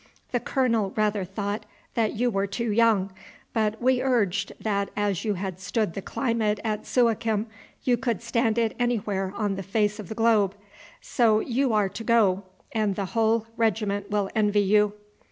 The colonel rather thought that you were too young, but we urged that as you had stood the climate at Suakim you could stand it anywhere on the face of the globe. So you are to go, and the whole regiment will envy you."